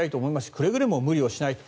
くれぐれも無理をしないと。